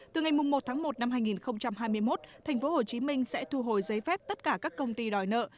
từ ngày một tháng một năm hai nghìn hai mươi một tp hcm sẽ thu hồi giấy phép tất cả các công ty đòi nợ